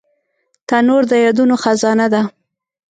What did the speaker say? تنور د یادونو خزانه ده